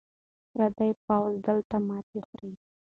پردی پوځ دلته ماتې خوري.